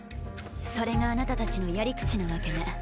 それがあなたたちのやり口なわけね。